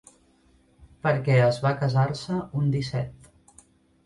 Perquè es va casar-se un disset.